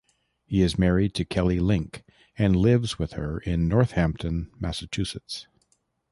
He is married to Kelly Link and lives with her in Northampton, Massachusetts.